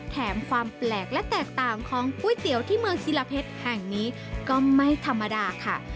แถมความแปลกและแตกต่างของก๋วยเตี๋ยวที่เมืองศิลาเพชรแห่งนี้ก็ไม่ธรรมดาค่ะ